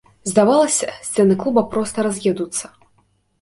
Здавалася, сцены клуба проста раз'едуцца.